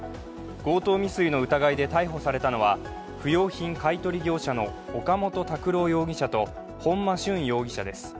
強盗未遂の疑いで逮捕されたのは不要品買い取り業者の岡本拓朗容疑者と本間駿容疑者です。